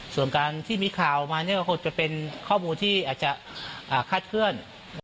ส่วนการที่มีข่าวมาก็ก็คกลับเป็นข้อมูลที่มันจะคลาดขึ้น